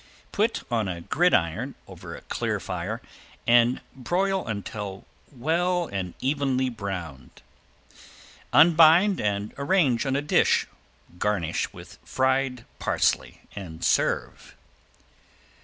Put on a gridiron over a clear fire and broil until well and evenly browned. Unbind and arrange on a dish, garnish with fried parsley and serve.